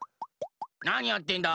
なにやってんだ？